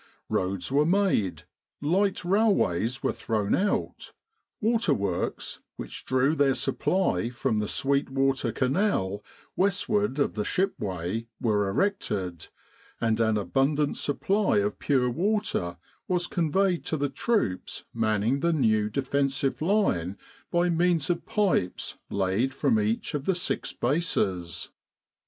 Roads were made, light railways were thrown out; waterworks, which drew their supply from the Sweet Water Canal westward of the ship way, were erected, and an abundant supply of pure water was conveyed to the troops manning the new defensive line by means of pipes laid from each of the six bases.